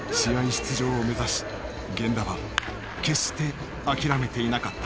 出場を目指し源田は決して諦めていなかった。